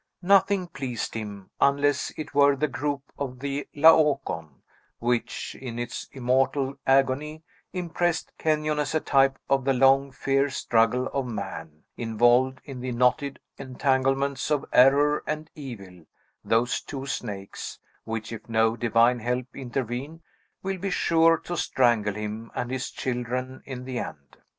Nothing pleased him, unless it were the group of the Laocoon, which, in its immortal agony, impressed Kenyon as a type of the long, fierce struggle of man, involved in the knotted entanglements of Error and Evil, those two snakes, which, if no divine help intervene, will be sure to strangle him and his children in the end.